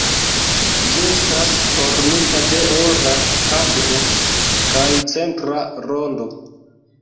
Ĝi estas formita de ora kadro kaj centra rondo.